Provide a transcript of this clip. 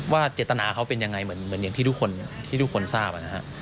ว่าเจตนาเขาเป็นยังไงเหมือนที่ทุกคนทราบ